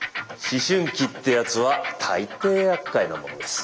思春期ってやつは大抵やっかいなものです。